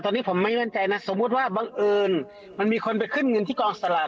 แต่ตอนนี้ผมไม่ใช่แม่นใจสมมุติบังเอิญมันมีคนไปขึ้นเงินที่กองฉลาก